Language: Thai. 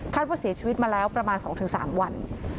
ว่าเสียชีวิตมาแล้วประมาณ๒๓วัน